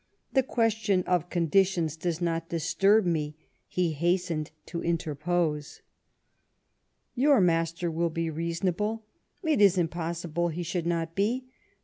The question of conditions does not disturb me," he hastened to interpose. " Your master •will be reasonable — it is impossible lie should n«t be.